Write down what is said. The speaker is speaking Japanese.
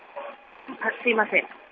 すいません。